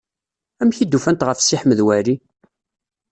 Amek i d-ufant ɣef Si Ḥmed Waɛli?